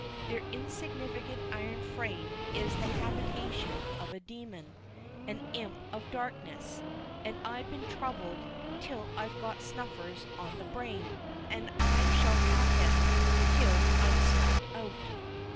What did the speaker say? their insignificant iron frame is the habitation of a demon an imp of darkness; and I've been troubled till I've got snuffers on the brain, and I shall have them till I'm snuffed out.